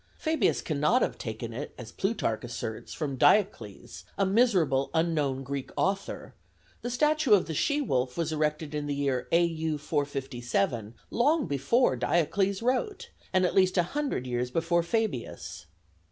Fabius cannot have taken it, as Plutarch asserts, from Diocles, a miserable unknown Greek author; the statue of the she wolf was erected in the year A.U. 457, long before Diocles wrote, and at least a hundred years before Fabius.